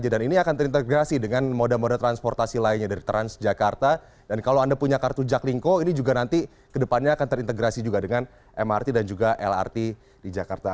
dan ini akan terintegrasi dengan moda moda transportasi lainnya dari transjakarta dan kalau anda punya kartu jaklingko ini juga nanti kedepannya akan terintegrasi juga dengan mrt dan juga lrt di jakarta